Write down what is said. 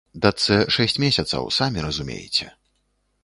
Дачцэ шэсць месяцаў, самі разумееце.